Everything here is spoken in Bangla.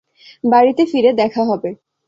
বাড়িতে ফিরে দেখা হবে।